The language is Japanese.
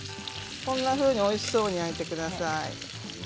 こんなふうにおいしそうに焼いてください。